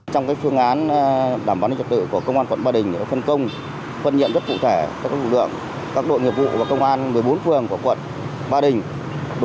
trong phương án đảm bảo an ninh trả tự của công an quận ba đình phân công phân nhiệm rất cụ thể các đội nghiệp vụ và công an một mươi bốn phương của quận ba đình